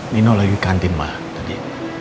nino lagi kantin mbah tadi